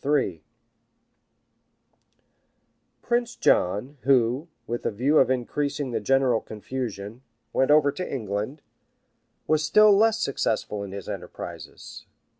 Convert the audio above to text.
81] Prince John, who, with a view of increasing the general confusion, went over to England, was still less successful in his enterprises.